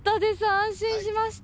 安心しました。